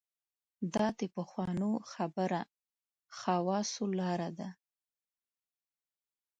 دا د پخوانو خبره خواصو لاره ده.